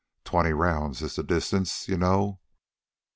Twenty rounds is the distance, you know.